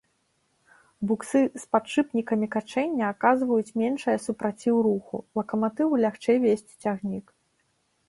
Буксы з падшыпнікамі качэння аказваюць меншае супраціў руху, лакаматыву лягчэй везці цягнік.